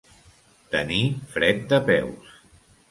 Tenir fred de peus.